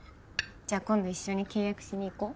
じゃあ今度一緒に契約しに行こう。